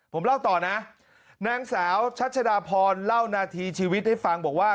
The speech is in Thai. ผมเล่าต่อนะนางสาวชัชดาพรเล่านาทีชีวิตให้ฟังบอกว่า